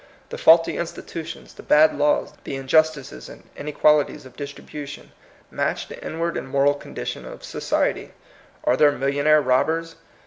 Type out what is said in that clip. The faulty institutions, the bad laws, the injustices and inequalities of distribution, match the in ward and moral condition of society. Are there millionnaire robbers?